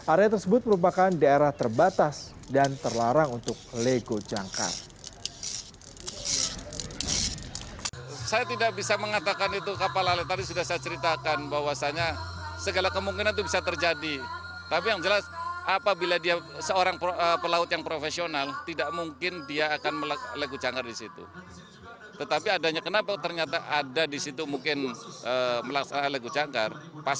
area tersebut merupakan daerah terbatas dan terlarang untuk lego jangkar